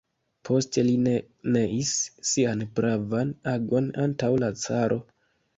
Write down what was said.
Poste li ne neis sian pravan agon antaŭ la caro.